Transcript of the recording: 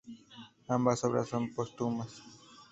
Ambas obras son póstumas.